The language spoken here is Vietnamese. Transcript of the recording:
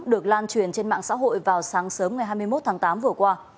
được lan truyền trên mạng xã hội vào sáng sớm ngày hai mươi một tháng tám vừa qua